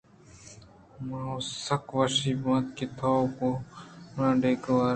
من ءَ سک وشی بیت کہ تو گوں من ڈیک وارت